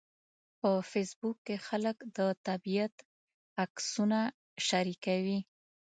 په فېسبوک کې خلک د طبیعت عکسونه شریکوي